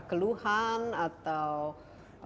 keluhan atau bantuan